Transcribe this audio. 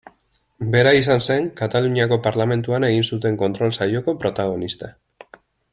Bera izan zen Kataluniako Parlamentuan egin zuten kontrol saioko protagonista.